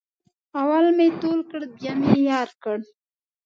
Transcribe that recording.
اول مې تول کړ بیا مې یار کړ.